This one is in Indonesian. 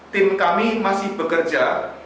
tim kami masih bekerja